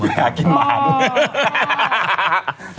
มันน่าเห็นหางออกมามีเตระนั้น